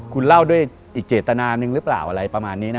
คุณเล่าด้วยอีกเจตนานึงหรือเปล่าอะไรประมาณนี้นะ